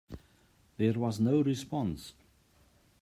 There was no response.